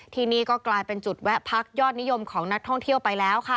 ที่นี่ก็กลายเป็นจุดแวะพักยอดนิยมของนักท่องเที่ยวไปแล้วค่ะ